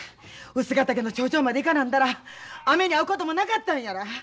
臼ヶ岳の頂上まで行かなんだら雨に遭うこともなかったんやら！